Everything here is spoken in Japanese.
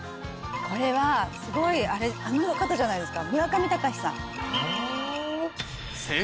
これはすごいあの方じゃないですか？